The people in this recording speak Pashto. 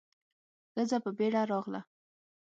ښځه په بيړه راغله.